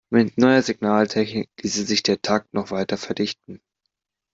Mit neuer Signaltechnik ließe sich der Takt noch weiter verdichten.